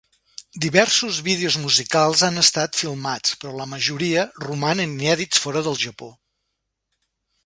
Diversos vídeos musicals han estat filmats, però la majoria romanen inèdits fora del Japó.